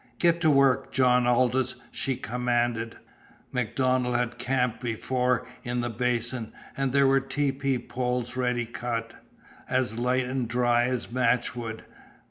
"Get to work, John Aldous!" she commanded. MacDonald had camped before in the basin, and there were tepee poles ready cut, as light and dry as matchwood.